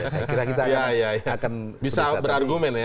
saya kira kita akan bisa berargumen ya